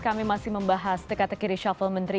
kami masih membahas tekad tekad kiri shuffle menteri